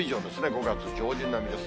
５月上旬並みです。